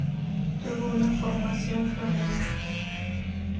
Tuvo una formación flamenca.